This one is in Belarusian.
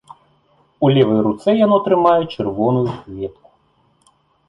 У левай руцэ яно трымае чырвоную кветку.